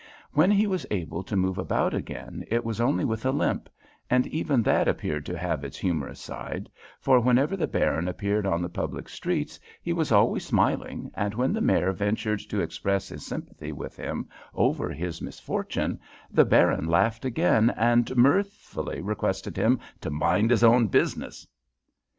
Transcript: When he was able to move about again it was only with a limp, and even that appeared to have its humorous side, for whenever the Baron appeared on the public streets he was always smiling, and when the Mayor ventured to express his sympathy with him over his misfortune the Baron laughed again, and mirthfully requested him to mind his own business.